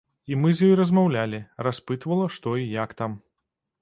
І мы з ёй размаўлялі, распытвала, што і як там.